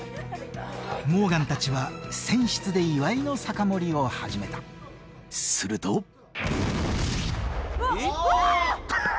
モーガン達は船室で祝いの酒盛りを始めたするとうわうわ！